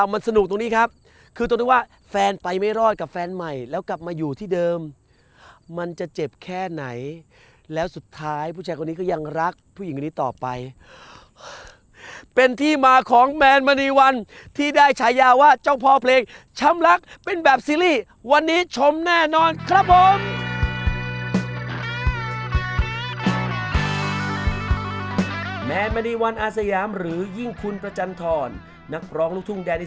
มันสนุกตรงนี้ครับคือตรงที่ว่าแฟนไปไม่รอดกับแฟนใหม่แล้วกลับมาอยู่ที่เดิมมันจะเจ็บแค่ไหนแล้วสุดท้ายผู้ชายคนนี้ก็ยังรักผู้หญิงคนนี้ต่อไปเป็นที่มาของแมนมณีวันที่ได้ฉายาว่าเจ้าพ่อเพลงช้ำรักเป็นแบบซีรีส์วันนี้ชมแน่นอนครับผม